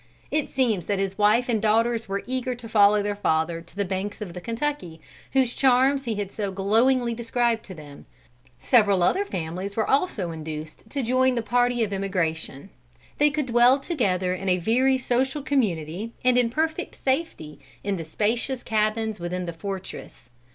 It seems that his wife and daughters were eager to follow their father to the banks of the Kentucky, whose charms he had so glowingly described to them. Several other families were also induced to join the party of emigration. They could dwell together in a very social community and in perfect safety in the spacious cabins within the fortress.